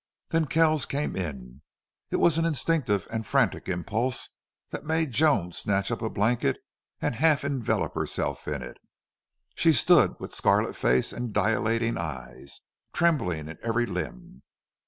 Then Kells came in. It was an instinctive and frantic impulse that made Joan snatch up a blanket and half envelop herself in it. She stood with scarlet face and dilating eyes, trembling in every limb.